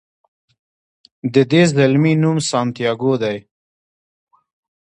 د دې زلمي نوم سانتیاګو دی.